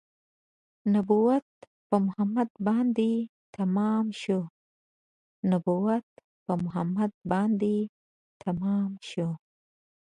نبوت په محمد باندې تمام شو نبوت په محمد باندې تمام شو